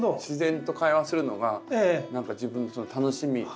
自然と会話するのが何か自分の楽しみ。